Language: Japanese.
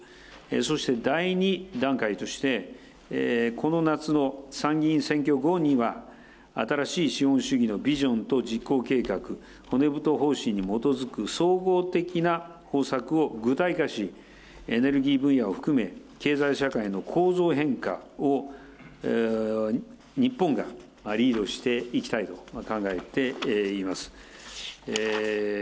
そして、第２段階として、この夏の参議院選挙後には、新しい資本主義のビジョンと実行計画、骨太方針に基づく総合的な方策を具体化し、エネルギー分野を含め、経済社会の構造変化を日本がリードしていきたいと考えています。